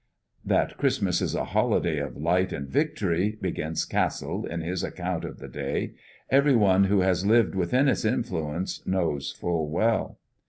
"That Christmas is a holiday of light and victory," begins Cassel, in his account of the day, "every one who has lived within its influence knows full well.